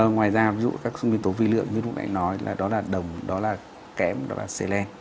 ngoài ra ví dụ các nguyên tố vi lượng như lúc anh nói là đó là đồng đó là kém đó là selen